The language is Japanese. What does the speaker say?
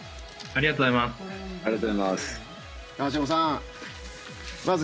ありがとうございます。